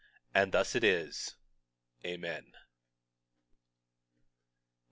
And thus it is. Amen.